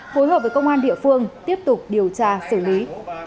phối hợp với công an địa phương tiếp tục điều tra xử lý